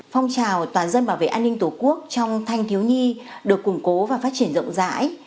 phong trào toàn dân bảo vệ an ninh tổ quốc trong thanh thiếu nhi được củng cố và phát triển rộng rãi